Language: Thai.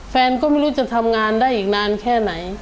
แฟนก็ไม่รู้จะทำงานได้อีกนานแค่ไหน